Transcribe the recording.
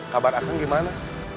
kabar akan gimana